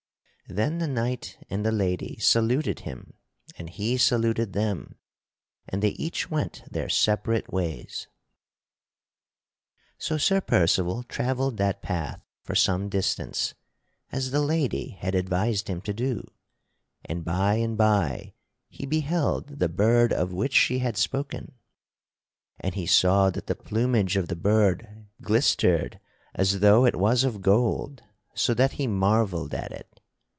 Then the knight and the lady saluted him and he saluted them, and they each went their separate ways. [Sidenote: How Percival followed the golden bird] So Sir Percival travelled that path for some distance as the lady had advised him to do, and by and by he beheld the bird of which she had spoken. And he saw that the plumage of the bird glistered as though it was of gold so that he marvelled at it.